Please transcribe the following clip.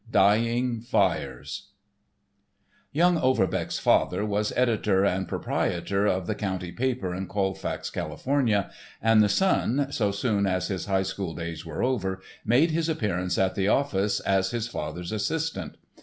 *Dying Fires* Young Overbeck's father was editor and proprietor of the county paper in Colfax, California, and the son, so soon as his high school days were over, made his appearance in the office as his father's assistant.